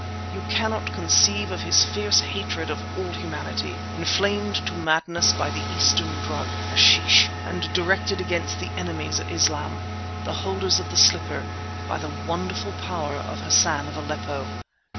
You cannot conceive of his fierce hatred of all humanity, inflamed to madness by the Eastern drug, hashish, and directed against the enemies of Islam—the holders of the slipper—by the wonderful power of Hassan of Aleppo.